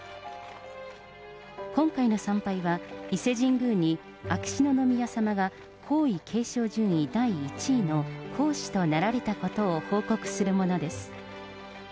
今回の参拝は、伊勢神宮に秋篠宮さまが皇位継承順位第１位の皇嗣となられたことを報告するものです。